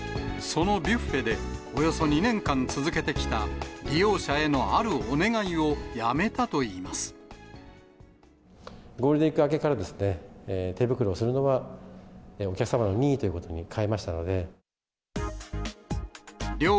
そのビュッフェでおよそ２年間続けてきた利用者へのあるお願いをゴールデンウィーク明けから、手袋をするのは、お客様の任意ということに変えましたので。